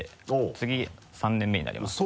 次３年目になりますね。